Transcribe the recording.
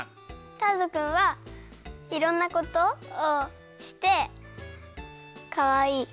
ターズくんはいろんなことをしてかわいい。